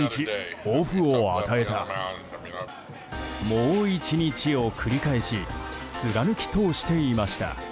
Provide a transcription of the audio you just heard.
もう１日を繰り返し貫き通していました。